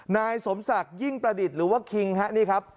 นายสมศักดิ์ยิ่งประดิษฐ์หรือว่าคิงฮะนี่ครับ